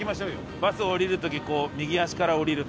バスを降りる時こう右足から降りるとか。